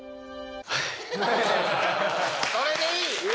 それでいい。